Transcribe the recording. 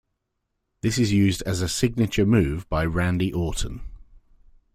This is used as a Signature move by Randy Orton.